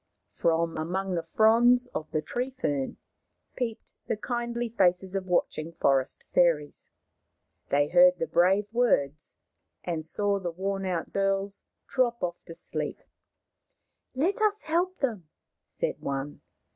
From among the fronds of the tree fern peeped the kindly faces of watching forest fairies. They heard the brave words, and saw the worn out girls drop off to sleep. " Let us help them," said one.